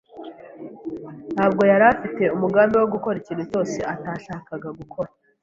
ntabwo yari afite umugambi wo gukora ikintu cyose atashakaga gukora.